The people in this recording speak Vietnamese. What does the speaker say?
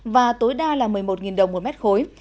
và tối đa là một mươi một đồng một mét khối